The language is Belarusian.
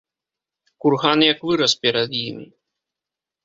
Курган як вырас перад імі.